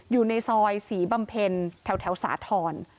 อยู่ในซอยศรีบำเพ็ญแถวสาธรณ์